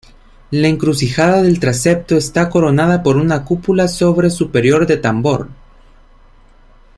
La encrucijada del transepto está coronada por una cúpula sobre superior de tambor.